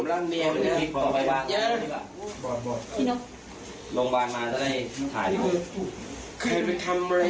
ลงบ้านมาได้ถ่ายรวด